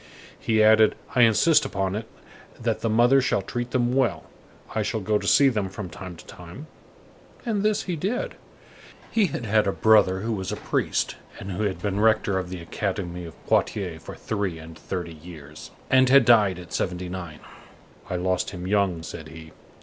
He added: "I insist upon it that the mother shall treat them well. I shall go to see them from time to time." And this he did. He had had a brother who was a priest, and who had been rector of the Academy of Poitiers for three and thirty years, and had died at seventy nine. "I lost him young," said he.